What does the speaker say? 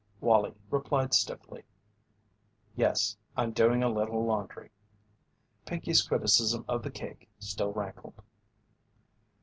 Wallie replied stiffly: "Yes, I'm doing a little laundry." Pinkey's criticism of the cake still rankled.